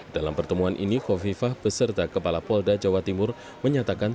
dalam pertemuan ini kofifah beserta kepala polda jawa timur menyatakan